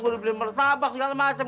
gue udah beli mertabak segala macam